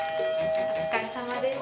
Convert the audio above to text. お疲れさまでした。